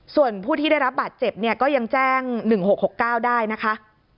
ส่วนผู้ที่ได้รับบาดเจ็บเนี่ยก็ยังแจ้ง๑๖๖๙ได้นะคะ